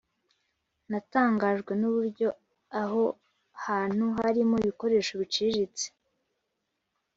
natangajwe n'uburyo aho hantu harimo ibikoresho biciriritse,